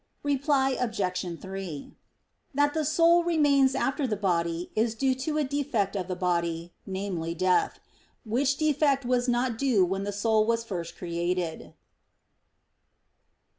Reply Obj. 3: That the soul remains after the body, is due to a defect of the body, namely, death. Which defect was not due when the soul was first created.